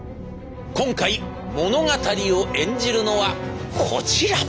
今回物語を演じるのはこちら！